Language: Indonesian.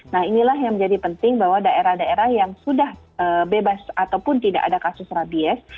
nah inilah yang menjadi penting bahwa daerah daerah yang sudah bebas ataupun tidak ada kasus rabies